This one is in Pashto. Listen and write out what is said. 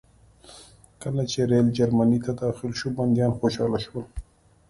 کله چې ریل جرمني ته داخل شو بندیان خوشحاله شول